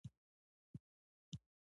سیاسي جغرافیه څه ته وایي؟